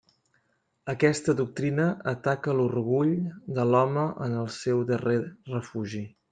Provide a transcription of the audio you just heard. Aquesta doctrina ataca l'orgull de l'home en el seu darrer refugi.